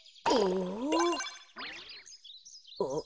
あっ。